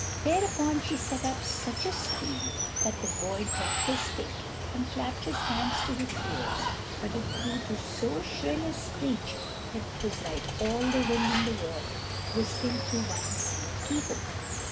Thereupon she set up such a squeal, that the boy dropped the stick, and clapped his hands to his ears but it grew to so shrill a screech, that it was like all the wind in the world whistling through one tiny keyhole.